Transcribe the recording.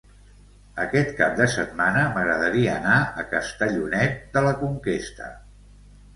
Aquest cap de setmana m'agradaria anar a Castellonet de la Conquesta.